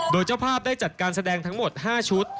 โดยเจ้าภาพได้จัดการแสดงทั้งหมด๕ชุด